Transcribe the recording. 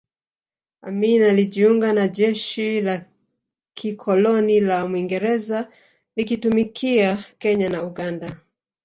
Amin alijiunga na jeshi la kikoloni la Mwingereza likitumikia Kenya na Uganda